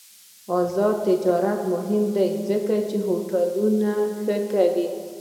آزاد تجارت مهم دی ځکه چې هوټلونه ښه کوي.